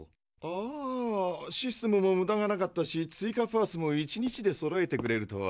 ああシステムもムダがなかったし追加パーツも１日でそろえてくれるとは。